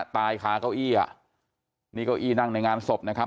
คาเก้าอี้อ่ะนี่เก้าอี้นั่งในงานศพนะครับ